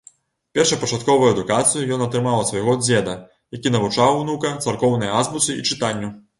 Першапачатковую адукацыю ён атрымаў ад свайго дзеда, які навучаў унука царкоўнай азбуцы і чытанню.